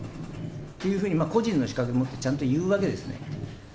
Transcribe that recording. というふうに、個人の自覚を持っていうわけですね。